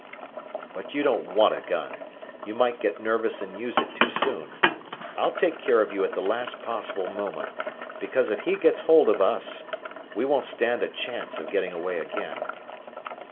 "But you don't want a gun. You might get nervous and use it too soon. I'll take care of you at the last possible moment, because if he gets hold of us we won't stand a chance of getting away again."